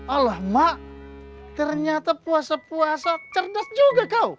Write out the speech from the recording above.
allah mak ternyata puasa puasa cerdas juga kau